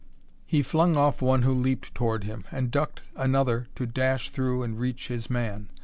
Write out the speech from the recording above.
He flung off one who leaped toward him, and ducked another to dash through and reach his man.